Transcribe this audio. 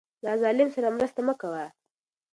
له ظالم سره مرسته مه کوه.